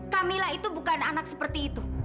camilla itu bukan anak seperti itu